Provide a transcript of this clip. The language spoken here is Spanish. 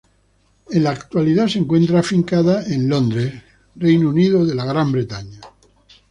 En la actualidad se encuentra afincada en Londres, Inglaterra.